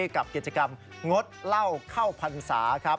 กับกิจกรรมงดเหล้าเข้าพรรษาครับ